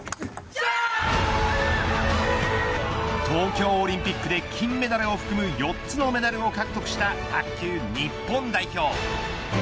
東京オリンピックで金メダルを含む４つのメダルを獲得した卓球日本代表。